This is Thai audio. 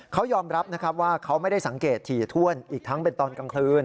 เขายอมรับนะครับว่าเขาไม่ได้สังเกตถี่ถ้วนอีกทั้งเป็นตอนกลางคืน